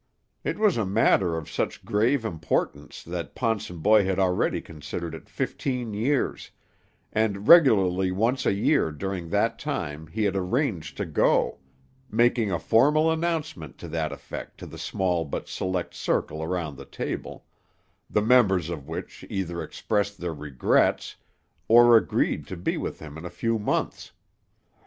It was a matter of such grave importance that Ponsonboy had already considered it fifteen years, and regularly once a year during that time he had arranged to go, making a formal announcement to that effect to the small but select circle around the table, the members of which either expressed their regrets, or agreed to be with him in a few months.